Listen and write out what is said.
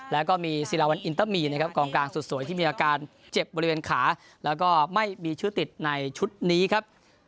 แล้วก็มีศิลาวันอินเตอร์มีนะครับกองกลางสุดสวยที่มีอาการเจ็บบริเวณขาแล้วก็ไม่มีชื่อติดในชุดนี้ครับ